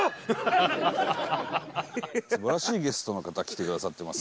素晴らしいゲストの方来てくださってます。